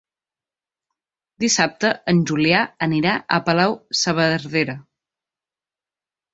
Dissabte en Julià anirà a Palau-saverdera.